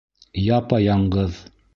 Япа-яңғыҙ!